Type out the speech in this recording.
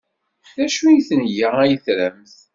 D acu n tenga ay tramt?